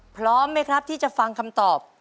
พร้อมไหมครับที่จะฟังคำตอบ